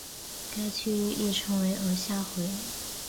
该区域亦称为额下回。